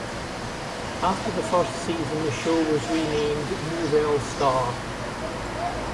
After the first season the show was renamed "Nouvelle Star".